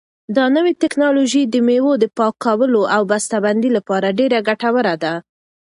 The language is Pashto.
دا نوې ټیکنالوژي د مېوو د پاکولو او بسته بندۍ لپاره ډېره ګټوره ده.